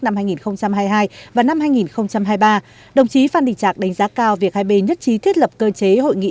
năm hai nghìn hai mươi hai và năm hai nghìn hai mươi ba đồng chí phan đình trạc đánh giá cao việc hai bên nhất trí thiết lập cơ chế hội nghị